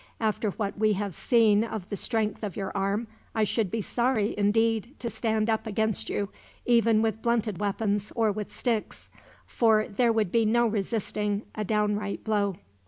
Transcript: After what we have seen of the strength of your arm, I should be sorry, indeed, to stand up against you, even with blunted weapons or with sticks; for there would be no resisting a downright blow.